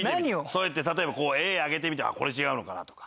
そうやって例えばこうＡ上げてみてこれ違うのかなとか。